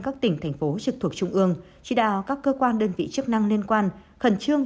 các tỉnh thành phố trực thuộc trung ương chỉ đạo các cơ quan đơn vị chức năng liên quan khẩn trương